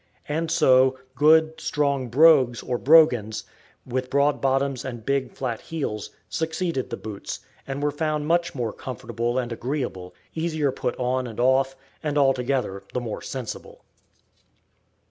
And so, good, strong brogues or brogans, with broad bottoms and big, flat heels, succeeded the boots, and were found much more comfortable and agreeable, easier put on and off, and altogether the more sensible.